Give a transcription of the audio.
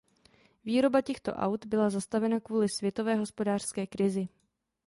Výroba těchto aut byla zastavena kvůli světové hospodářské krizi.